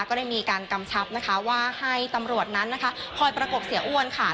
ก็ได้มีการกำชับนะคะว่าให้ตำรวจนั้นนะคะคอยประกบเสียอ้วนค่ะ